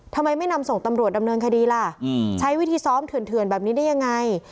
ทำไมไม่นำส่งตำรวจดำเนินคดีล่ะใช้วิธีซ้อมเถื่อนแบบนี้ได้ยังไง